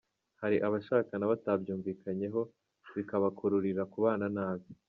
Hari abashakana batabyumvikanyeho bikabakururira kubana nabi